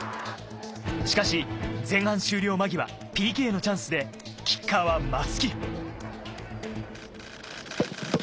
しかし、前半終了間際、ＰＫのチャンスでキッカーは松木。